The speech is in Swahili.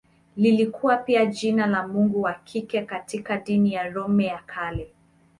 Lilikuwa pia jina la mungu wa kike katika dini ya Roma ya Kale.